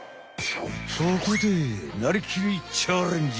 そこで「なりきり！チャレンジ！」。